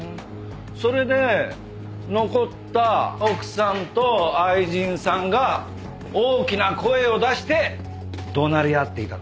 それで残った奥さんと愛人さんが大きな声を出して怒鳴り合っていたと。